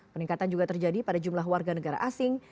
peningkatan juga terjadi pada jumlah warga negara asing